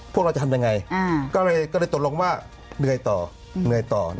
พวกเราจะทำยังไงก็เลยตกลงว่าเหนื่อยต่อเหนื่อยต่อ